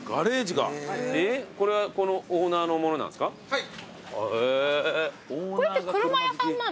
はい。